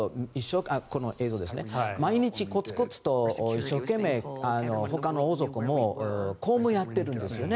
毎日コツコツと一生懸命ほかの王族も公務をやってるんですよね。